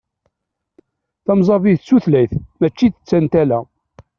Tamẓabit d tutlayt mačči d tantala.